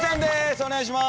お願いします。